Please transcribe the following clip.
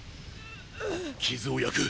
傷を焼く！